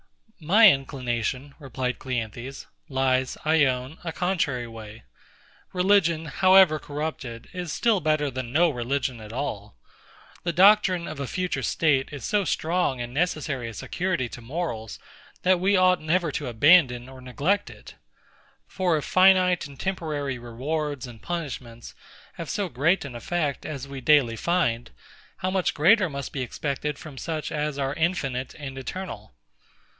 My inclination, replied CLEANTHES, lies, I own, a contrary way. Religion, however corrupted, is still better than no religion at all. The doctrine of a future state is so strong and necessary a security to morals, that we never ought to abandon or neglect it. For if finite and temporary rewards and punishments have so great an effect, as we daily find; how much greater must be expected from such as are infinite and eternal?